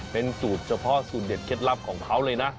เป็นสูตรเฉพาะสูตรเด็ดเคล็ดลับของเขาเลยนะ